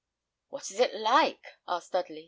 "What is it like?" asked Dudley.